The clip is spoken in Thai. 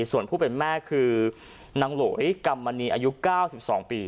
ส่วนผู้เป็นแม่คือนางโหลยกรรมมณีอายุ๙๒ปี